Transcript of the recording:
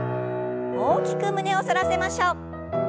大きく胸を反らせましょう。